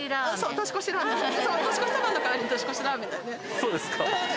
そうですか。